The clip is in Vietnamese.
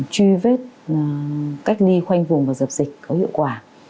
truy vết cách ly khoanh vùng và dập dịch có hiệu quả